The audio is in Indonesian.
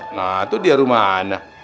nah itu dia rumah anak